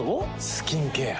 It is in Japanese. スキンケア。